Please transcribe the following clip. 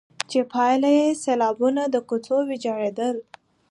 چي پايله يې سيلابونه، د کوڅو ويجاړېدل،